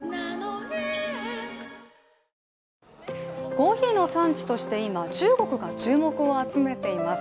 コーヒーの産地として今中国が注目を集めています。